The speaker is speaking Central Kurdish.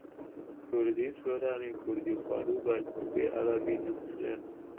کوردیی سۆرانی و کوردیی خواروو بە ئەلفوبێی عەرەبی دەنووسرێن.